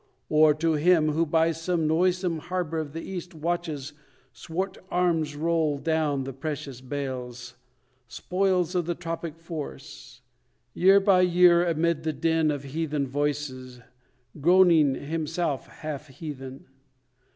Or to him, Who by some noisome harbour of the East, Watches swart arms roll down the precious bales, Spoils of the tropic forests; year by year Amid the din of heathen voices, groaning Himself half heathen?